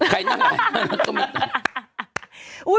ใครนั่งไว้